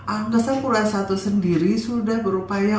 angkasa pura i sendiri sudah berupaya